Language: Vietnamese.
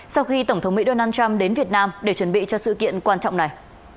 sau khi tổng thống mỹ donald trump đến việt nam để chuẩn bị cho sự kiện quan trọng này